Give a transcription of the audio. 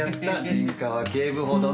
陣川警部補殿！